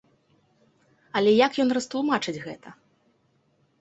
Але як ён растлумачыць гэта?